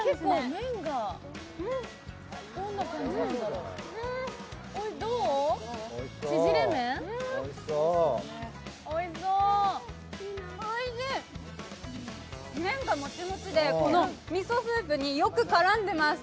麺がもちもちで、みそスープによく絡んでます。